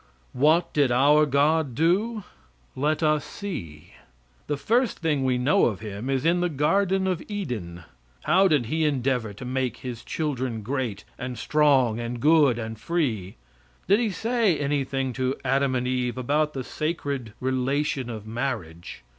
What did our God do? Let us see. The first thing we know of Him is in the Garden of Eden. How did He endeavor to make His children great, and strong, and good, and free? Did He say anything to Adam and Eve about the sacred relation of marriage?